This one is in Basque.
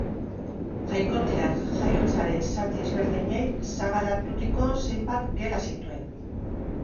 Jainkotiar jaiotzaren zati ezberdinei sagaraturiko zenbait gela zituen.